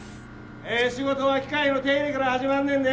ええ仕事は機械の手入れから始まんねんで！